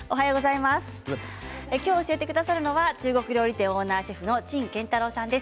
今日教えてくださるのは中国料理店オーナーシェフの陳建太郎さんです。